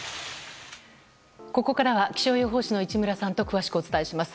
ここからは気象予報士の市村さんと詳しくお伝えします。